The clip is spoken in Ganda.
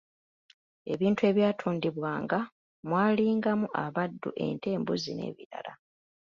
"Ebintu ebyatundibwanga mwalingamu abaddu, ente, embuzi n’ebirala."